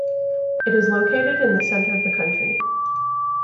It is located in the center of the country.